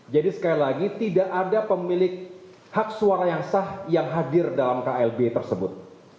jadi sekali lagi tidak ada pemilik hak suara yang sah yang hadir dalam klb tersebut